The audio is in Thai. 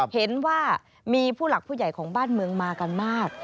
เห็นว่ามีผู้หลักผู้ใหญ่ของบ้านเมืองมากันมาก